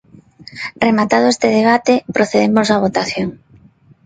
Rematado este debate, procedemos á votación.